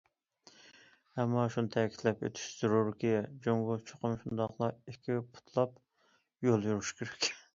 ئەمما شۇنى تەكىتلەپ ئۆتۈش زۆرۈركى، جۇڭگو چوقۇم، شۇنداقلا ئىككى پۇتلاپ يول يۈرۈشى كېرەك.